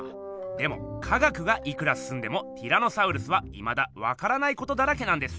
でも科学がいくらすすんでもティラノサウルスはいまだわからないことだらけなんです。